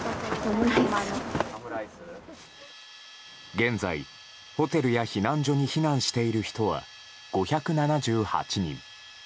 現在、ホテルや避難所に避難している人は５７８人。